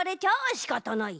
しかたない。